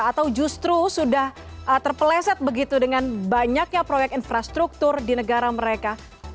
atau justru sudah terpeleset begitu dengan banyaknya proyek infrastruktur di negara mereka